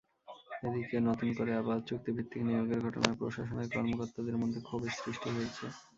এদিকে নতুন করে আবার চুক্তিভিত্তিক নিয়োগের ঘটনায় প্রশাসনের কর্মকর্তাদের মধ্যে ক্ষোভের সৃষ্টি হয়েছে।